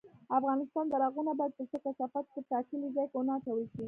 افغانستان تر هغو نه ابادیږي، ترڅو کثافات په ټاکلي ځای کې ونه اچول شي.